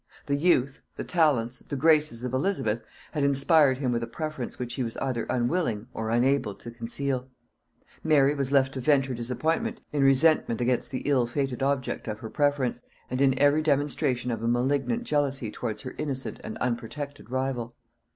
The youth, the talents, the graces of Elizabeth had inspired him with a preference which he was either unwilling or unable to conceal; Mary was left to vent her disappointment in resentment against the ill fated object of her preference, and in every demonstration of a malignant jealousy towards her innocent and unprotected rival.